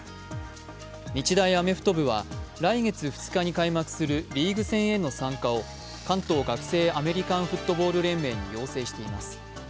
日大アメフト部は来月２日に開幕するリーグ戦への参加を関東学生アメリカンフットボール連盟に要請しています。